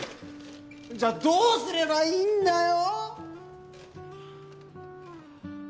じゃあどうすればいいんだよ！